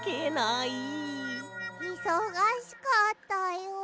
いそがしかったよ。